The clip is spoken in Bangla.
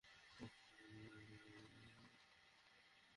তিনি একাই কুরাইশদের প্রতি এগিয়ে যেতে চেষ্টা করেন।